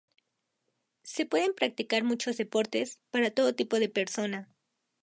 Se pueden practicar muchos deportes, para todo tipo de persona.